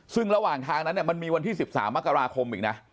ซึ่งระหว่างทางนั้นมันมีวันที่๑๓มกราคมอีกนะ